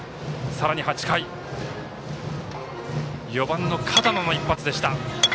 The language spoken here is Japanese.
さらに８回４番の片野の一発でした。